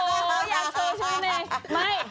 โอ้โหยังเซิลใช่มั้ย